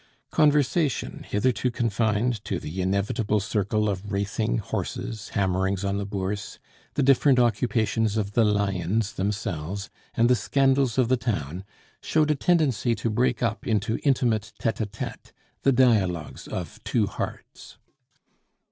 Conversation, hitherto confined to the inevitable circle of racing, horses, hammerings on the Bourse, the different occupations of the lions themselves, and the scandals of the town, showed a tendency to break up into intimate tete a tete, the dialogues of two hearts.